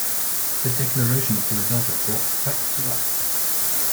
The Declaration of Philadelphia brought it back to life.